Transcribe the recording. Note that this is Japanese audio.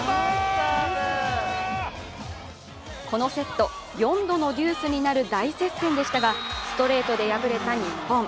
このセット、４度のデュースになる大接戦でしたがストレートで敗れた日本。